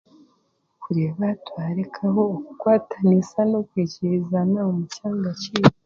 kureeba twaretaho enkwatanisa n'okwikirizana omu kyanga kyaitu.